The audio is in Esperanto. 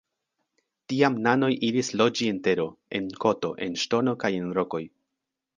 Tiam nanoj iris loĝi en tero, en koto, en ŝtono kaj en rokoj.